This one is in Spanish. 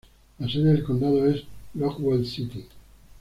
La sede del condado es Rockwell City.